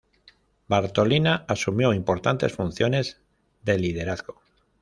Bartolina asumió importantes funciones de liderazgo.